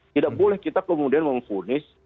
tidak boleh kita kemudian memfonis